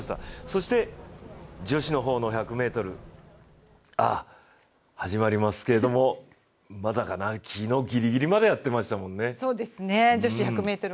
そして女子の方の１００ｍ、始まりますけれども、まだかな、昨日ギリギリまでやってましたもんね。